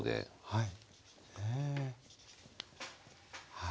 はい。